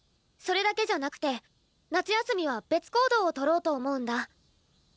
それだけじゃなくて夏休みは別行動をとろうと思うんだ。